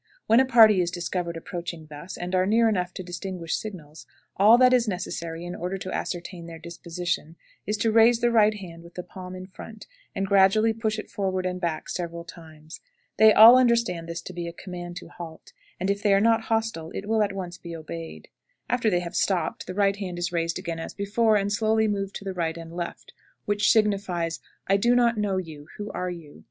When a party is discovered approaching thus, and are near enough to distinguish signals, all that is necessary in order to ascertain their disposition is to raise the right hand with the palm in front, and gradually push it forward and back several times. They all understand this to be a command to halt, and if they are not hostile it will at once be obeyed. After they have stopped the right hand is raised again as before, and slowly moved to the right and left, which signifies "I do not know you. Who are you?"